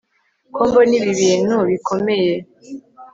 ko mbona ibi bintu bikomeye